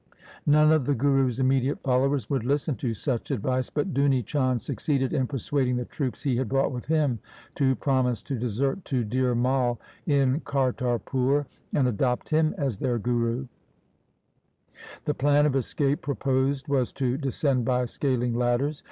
None of the Guru's immediate followers would listen to such advice, but Duni Chand succeeded in per suading the troops he had brought with him to promise to desert to Dhir Mai in Kartarpur and adopt him as their guru. The plan of escape pro posed was to descend by scaling ladders.